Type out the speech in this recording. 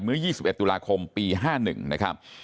เมื่อ๒๑ตุลาคมปี๕๑นะครับ